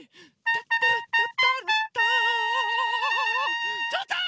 タッタラッタターラッター！